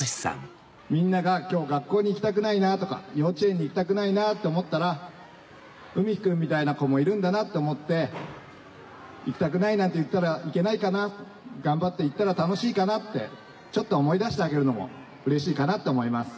みんなが今日学校に行きたくないなぁとか幼稚園に行きたくないなぁって思ったら海陽くんみたいな子もいるんだなって思って「行きたくないなんて言ったらいけないかな頑張って行ったら楽しいかな」ってちょっと思い出してあげるのもうれしいかなって思います。